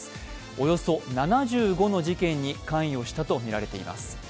およそ７５の事件に関与したとみられています。